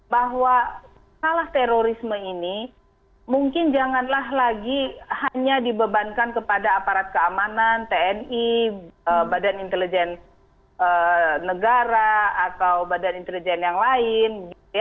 bahwa salah terorisme ini mungkin janganlah lagi hanya dibebankan kepada aparat keamanan tni badan intelijen negara atau badan intelijen yang lain